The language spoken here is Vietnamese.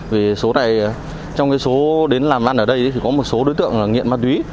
vì số này trong cái số đến làm ăn ở đây thì có một số đối tượng nghiện ma túy